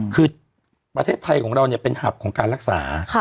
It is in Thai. คือประเทศไทยของเราเป็นหับของการรักษา